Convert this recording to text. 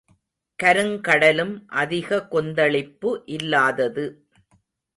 கருங்கடலும் அதிக கொந்தளிப்பு இல்லாதது.